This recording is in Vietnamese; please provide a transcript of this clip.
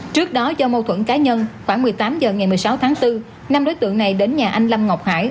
trước đó do mâu thuẫn cá nhân khoảng một mươi tám h ngày một mươi sáu tháng bốn năm đối tượng này đến nhà anh lâm ngọc hải